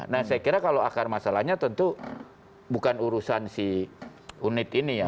nah saya kira kalau akar masalahnya tentu bukan urusan si unit ini ya